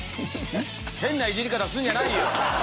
変ないじり方するんじゃないよ